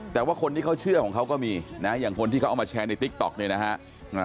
แต่ว่าคนที่เขาเชื่อของเขาก็มีนะอย่างคนที่เขาเอามาแชร์ในติ๊กต๊อกเนี่ยนะฮะ